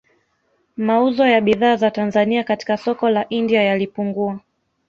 Mauzo ya bidhaa za Tanzania katika soko la India yalipungua